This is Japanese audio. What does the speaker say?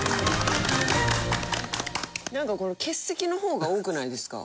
なんか欠席の方が多くないですか？